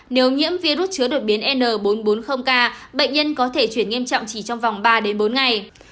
nếu nhiễm virus chứa đột biến n bốn trăm bốn mươi k bệnh nhân có thể chuyển nghiêm trọng chỉ trong vòng ba bốn ngày